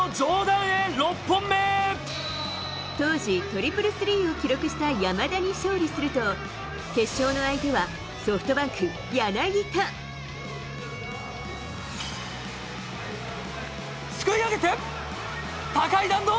当時、トリプルスリーを記録した山田に勝利すると、決勝の相手はソフトバンク、柳田。すくい上げて、高い弾道。